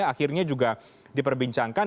akhirnya juga diperbincangkan